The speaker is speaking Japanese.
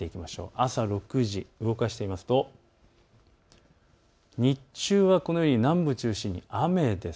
朝６時、動かしてみますと、日中はこのように南部を中心に雨です。